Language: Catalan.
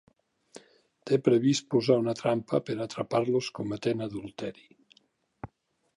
Té previst posar una trampa per atrapar-los cometent adulteri.